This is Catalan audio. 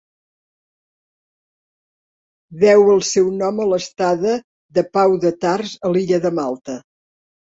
Deu el seu nom a l'estada de Pau de Tars a l'illa de Malta.